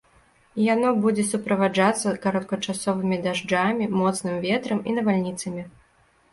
Яно будзе суправаджацца кароткачасовымі дажджамі, моцным ветрам і навальніцамі.